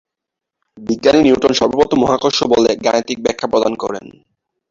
বিজ্ঞানী নিউটন সর্বপ্রথম মহাকর্ষ বলের গাণিতিক ব্যাখ্যা প্রদান করেন।